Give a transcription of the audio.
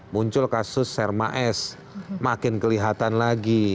muncul kasus serma s makin kelihatan lagi